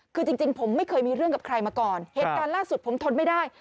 คือจริงผมไม่เคยมีเรื่องกับใครมาก่อนเหตุการณ์ล่าสุดผมทนไม่ได้